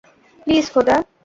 Please, খোদা।